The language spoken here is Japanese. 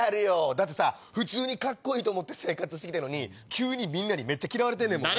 だって普通にカッコいいと思って生活して来たのに急にみんなに嫌われてんもんな。